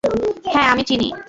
হ্যাঁ, আমি চিনি।